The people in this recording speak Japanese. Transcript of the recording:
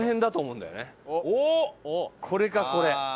これかこれ。